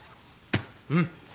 うん。